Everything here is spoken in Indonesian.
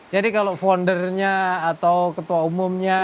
jadi kalau foundernya atau ketua umumnya